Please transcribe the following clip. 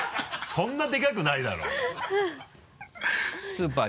そんなでかくないだろうよ。